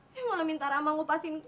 ya malah minta rama ngopasin udangnya gitu